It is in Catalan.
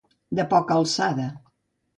De poca alçada.